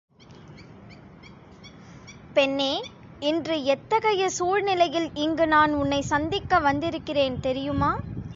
பெண்ணே இன்று எத்தகைய சூழ்நிலையில் இங்கு நான் உன்னைச் சந்திக்க வந்திருக்கிறேன் தெரியுமா?